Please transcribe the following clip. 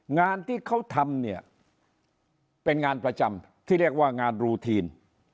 งานที่เขาทำเนี่ยเป็นงานประจำที่เรียกว่างานรูทีน